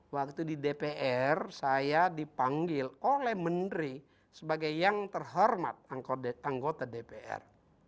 waktu di dpr saya dipanggil oleh menteri sebagai yang terhormat anggota dpr